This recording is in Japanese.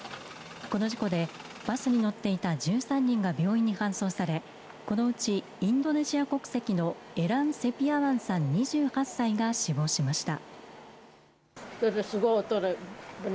この事故でバスに乗っていた１３人が病院に搬送され、このうちインドネシア国籍のエラン・セピアワンさん２８歳が死亡しました。